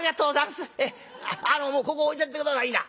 あのもうここ置いちゃって下さいな。